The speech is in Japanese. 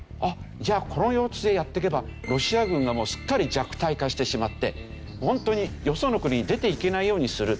じゃあこの様子でやっていけばロシア軍がすっかり弱体化してしまってホントによその国に出ていけないようにする。